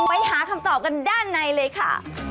ไปหาคำตอบกันด้านในเลยค่ะ